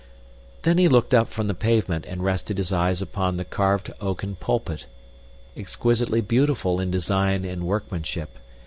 Then he looked up from the pavement and rested his eyes upon the carved oaken pulpit, exquisitely beautiful in design and workmanship.